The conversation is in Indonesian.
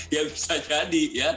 iya bisa jadi